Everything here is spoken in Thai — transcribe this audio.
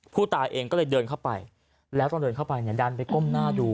ผู้ตายเองก็เลยเดินเข้าไปแล้วตอนเดินเข้าไปเนี่ยดันไปก้มหน้าดู